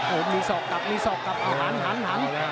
โหมีศอกกลับมีศอกกลับหันหันหัน